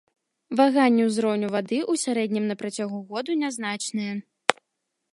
Ваганні ўзроўню вады ў сярэднім на працягу года нязначныя.